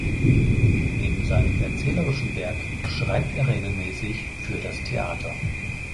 Neben seinem erzählerischen Werk schreibt er regelmäßig für das Theater.